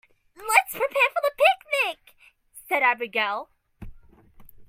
"Let's prepare for the picnic!", said Abigail.